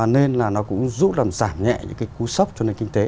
nên là nó cũng giúp làm giảm nhẹ những cái cú sốc cho nền kinh tế